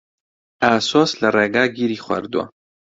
ئاسۆس لە ڕێگا گیری خواردووە.